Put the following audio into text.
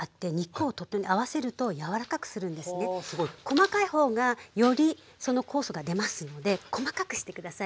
細かい方がよりその酵素が出ますので細かくして下さい。